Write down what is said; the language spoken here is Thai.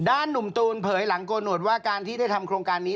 หนุ่มตูนเผยหลังโกหนวดว่าการที่ได้ทำโครงการนี้